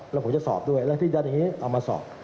แล้วผมจะสอบด้วยแล้วที่ดันอย่างนี้เอามาสอบ